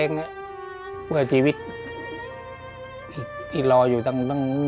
และกับผู้จัดการที่เขาเป็นดูเรียนหนังสือ